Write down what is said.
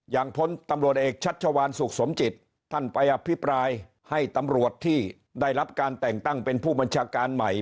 พลตำรวจเอกชัชวานสุขสมจิตท่านไปอภิปรายให้ตำรวจที่ได้รับการแต่งตั้งเป็นผู้บัญชาการใหม่